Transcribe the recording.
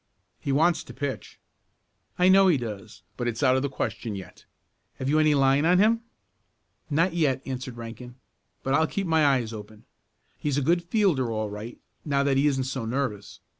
"He wants to pitch." "I know he does, but it's out of the question yet. Have you any line on him?" "Not yet," answered Rankin, "but I'll keep my eyes open. He's a good fielder all right, now that he isn't so nervous.